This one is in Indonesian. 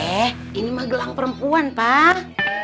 eh ini mah gelang perempuan pak